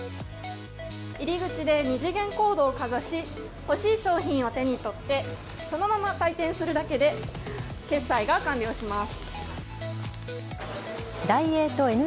入り口で二次元コードをかざし欲しい商品を手に取ってそのまま退店するだけで決済が完了します。